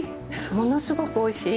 物すごくおいしい。